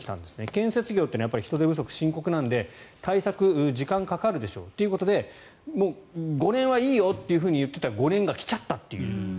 建設業は人手不足が深刻なので対策に時間かかるでしょうということで５年はいいよって言っていた５年が来ちゃったっていう。